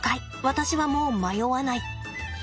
私はもう迷わない。